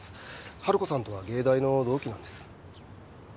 春子さんとは芸大の同期なんです。